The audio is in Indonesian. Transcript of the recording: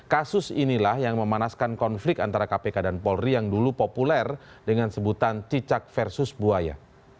kasus inilah yang memanaskan konflik antara kpk dan polri yang dulu populer dengan sebutan cicak versus buaya